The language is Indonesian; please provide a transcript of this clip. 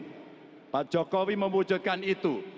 pemimpinan jokowi memujukkan itu